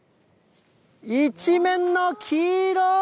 一面の黄色！